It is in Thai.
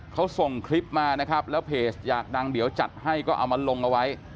เขาส่งคลิปมานะครับแล้วเพจอยากดังเดี๋ยวจัดให้ก็เอามาลงเอาไว้